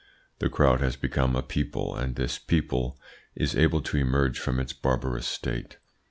The crowd has become a people, and this people is able to emerge from its barbarous state.